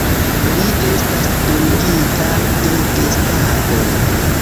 Li estas dungita de Gestapo.